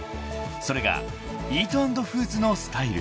［それがイートアンドフーズのスタイル］